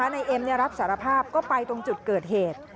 นายเอ็มรับสารภาพก็ไปตรงจุดเกิดเหตุ